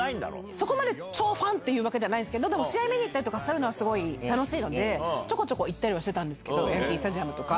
そこまで超ファンってわけじゃないんですけど、試合に見に行ったりするのは楽しいので、ちょこちょこ行ってたりしてたんですけど、ヤンキー・スタジアムとか。